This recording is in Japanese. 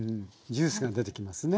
ジュースが出てきますね。